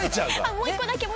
もう１個だけ。